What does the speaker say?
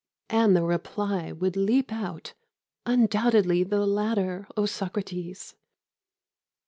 And the reply would leap out: "Undoubtedly the latter, O Socrates."